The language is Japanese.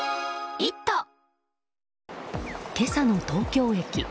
今朝の東京駅。